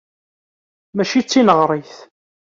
Mačči d tineɣrit.